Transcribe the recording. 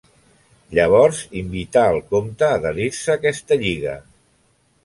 Llavors invità el comte a adherir-se a aquesta lliga.